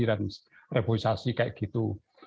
dan reforestasi seperti itu